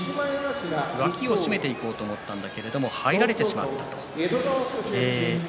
脇を締めていこうと思ったんだけれども入られてしまったと。